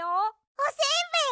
おせんべい！？